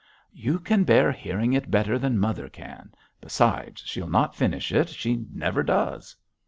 'You can bear hearing it better than mother can. Besides, she'll not finish it; she never does.'